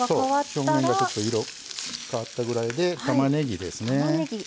表面がちょっと色変わったぐらいでたまねぎですね。